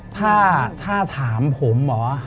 ถ้าถามผมนะ